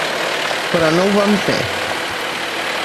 Però no ho van fer.